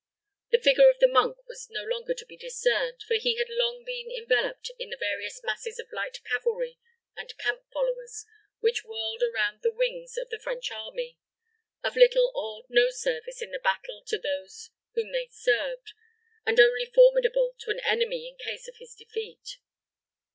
The figure of the monk was no longer to be discerned, for he had long been enveloped in the various masses of light cavalry and camp followers which whirled around the wings of the French army of little or no service in the battle to those whom they Served, and only formidable to an enemy in case of his defeat.